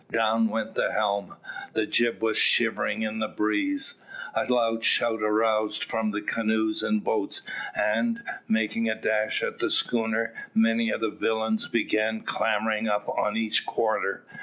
Down went the helm. The jib was shivering in the breeze. A loud shout arose from the canoes and boats, and, making a dash at the schooner, many of the villains began clambering up on each quarter.